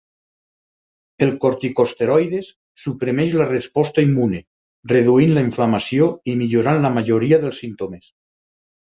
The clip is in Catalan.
El corticosteroides Suprimeix la resposta immune, reduint la inflamació i millorant la majoria dels símptomes.